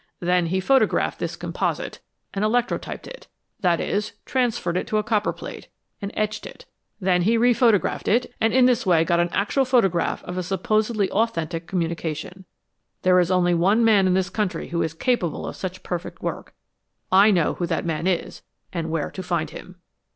Then he photographed this composite, and electrotyped it that is, transferred it to a copperplate, and etched it. Then he re photographed it, and in this way got an actual photograph of a supposedly authentic communication. There is only one man in this country who is capable of such perfect work. I know who that man is and where to find him."